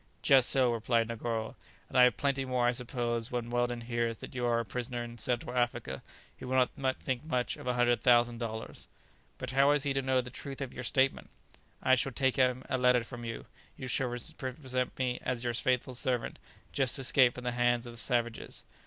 "Just so," replied Negoro; "and I have plenty more I suppose when Weldon hears that you are a prisoner in Central Africa, he will not think much of a hundred thousand dollars." "But how is he to know the truth of your statement?" "I shall take him a letter from you. You shall represent me as your faithful servant, just escaped from the hands of savages."